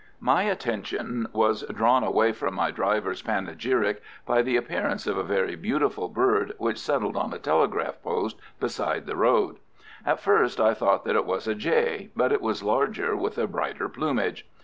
My attention was drawn away from my driver's panegyric by the appearance of a very beautiful bird which settled on a telegraph post beside the road. At first I thought that it was a jay, but it was larger, with a brighter plumage.